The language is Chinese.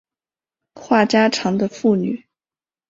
话家常的妇女